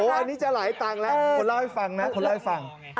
โอโหอันนี้จะหลายตั้งแล้วคนเล่าให้ฟังนะ